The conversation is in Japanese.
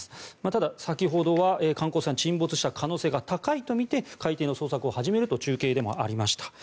ただ、先ほどは観光船は沈没した可能性が高いとみて海底の捜索を始めると中継でもありました。